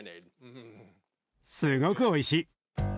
すごくおいしい。